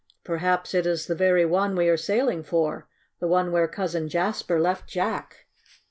Perhaps it is the very one we are sailing for the one where Cousin Jasper left Jack."